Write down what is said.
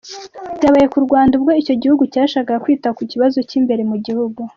Byabaye ku Rwanda ubwo icyo gihugu cyashakaga kwita ku bibazo by’imbere mu gihugu.